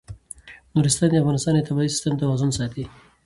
نورستان د افغانستان د طبعي سیسټم توازن ساتي.